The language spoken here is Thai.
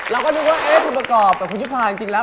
เราก็นึกว่าคุณประกอบกับคุณยุภาจริงแล้ว